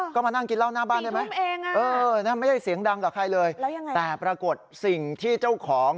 ก็มานั่งกินเหล้าหน้าบ้านได้ไหมไม่ได้เสียงดังกับใครเลยแล้วยังไงแต่ปรากฏสิ่งที่เจ้าของ